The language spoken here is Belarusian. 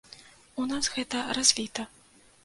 У нас гэта развіта.